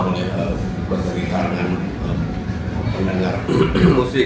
oleh penerita dan pendengar musik